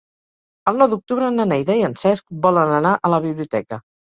El nou d'octubre na Neida i en Cesc volen anar a la biblioteca.